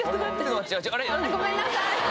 ごめんなさい。